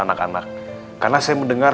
anak anak karena saya mendengar